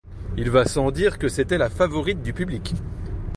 Il va sans dire que c'était la favorite du public.